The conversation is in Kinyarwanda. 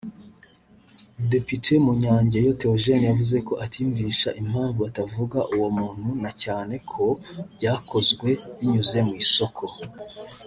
Depite Munyangeyo Théogène yavuze ko atiyumvisha impamvu batavuga uwo muntu na cyane ko byakozwe binyuze mu isoko